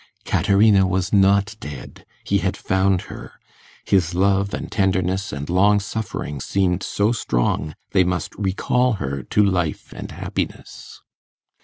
Caterina was not dead; he had found her; his love and tenderness and long suffering seemed so strong, they must recall her to life and happiness.